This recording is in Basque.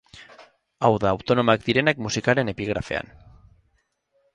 Hau da, autonomoak direnak musikaren epigrafean.